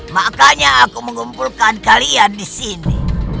makanya aku mengumpulkan kalian disini